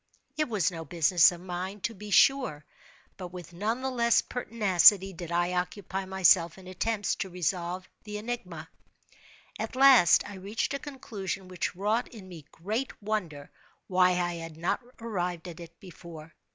It was no business of mine, to be sure, but with none the less pertinacity did I occupy myself in attempts to resolve the enigma. At last I reached a conclusion which wrought in me great wonder why I had not arrived at it before.